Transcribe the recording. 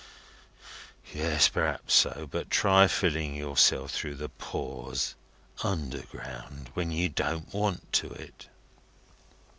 Yes. P'raps so. But try filling yourself through the pores, underground, when you don't want to it!"